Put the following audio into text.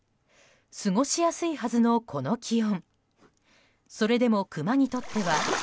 過ごしやすいはずの、この気温。